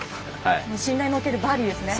信頼のおけるバディですね。